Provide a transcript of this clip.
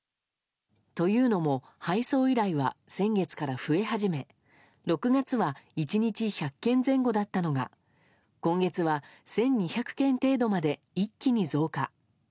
というのも、配送依頼は先月から増え始め６月は１日１００件前後だったのが今月は１２００件程度まで一気に増加。